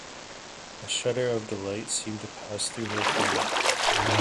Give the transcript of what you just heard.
A shudder of delight seemed to pass through her frame.